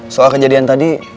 soal kejadian tadi